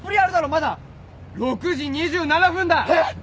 まだ６時２７分だ！えっ！？